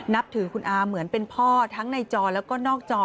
นับถือคุณอาเหมือนเป็นพ่อทั้งในจอแล้วก็นอกจอ